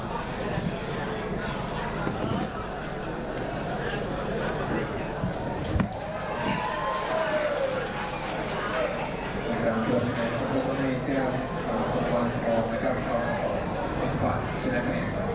โอ้โหสุดท้ายครับ